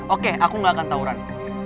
oke aku gak akan tauran